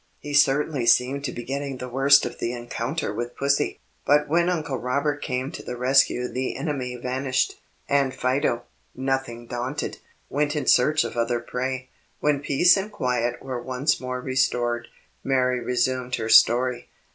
He certainly seemed to be getting the worse of the encounter with Pussy; but when Uncle Robert came to the rescue the enemy vanished, and Fido, nothing daunted, went in search of other prey. When peace and quiet were once more restored, Mary resumed her story.